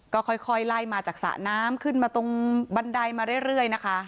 ก็ค่อยไล่มาจากสระน้ำขึ้นมาตรงบันไดมาเรื่อยนะคะ